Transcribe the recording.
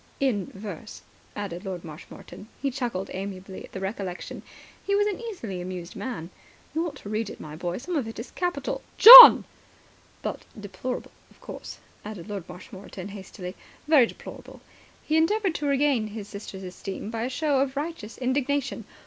"In verse," added Lord Marshmoreton. He chuckled amiably at the recollection. He was an easily amused man. "You ought to read it, my boy. Some of it was capital ..." "John!" "But deplorable, of course," added Lord Marshmoreton hastily. "Very deplorable." He endeavoured to regain his sister's esteem by a show of righteous indignation.